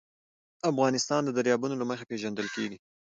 افغانستان د دریابونه له مخې پېژندل کېږي.